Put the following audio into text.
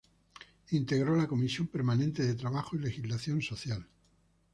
Integró la comisión permanente de Trabajo y Legislación Social.